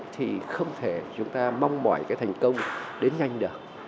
thì không thể chúng ta mong mỏi cái thành công đến nhanh được